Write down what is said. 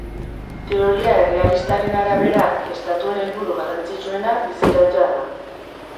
Teoria errealistaren arabera, estatuen helburu garrantzitsuena bizirautea da.